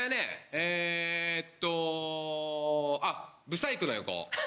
えっとあっブサイクの横。